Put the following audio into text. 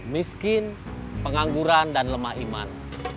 miskin pengangguran dan lemah iman